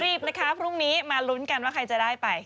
นะคะพรุ่งนี้มาลุ้นกันว่าใครจะได้ไป